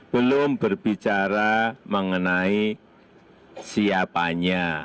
belum berbicara mengenai siapanya